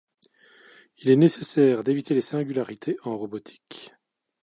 Il est nécessaire d'éviter les singularités en robotique.